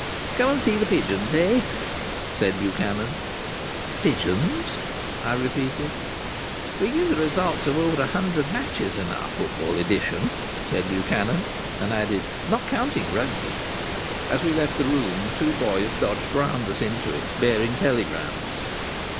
"Come and see the pigeons, eh?" said Buchanan. "Pigeons?" I repeated. "We give the results of over a hundred matches in our Football Edition," said Buchanan, and added: "not counting Rugby." As we left the room two boys dodged round us into it, bearing telegrams.